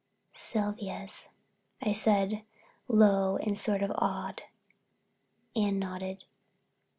"Sylvia's," I said, low and sort of awed. Anne nodded.